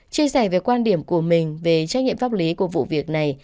chia sẻ về quan điểm của mình về trách nhiệm pháp lý của vụ việc này